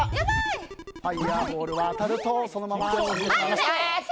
ファイヤーボールは当たるとそのまま死んでしまいます。